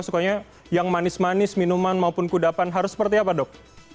sukanya yang manis manis minuman maupun kudapan harus seperti apa dok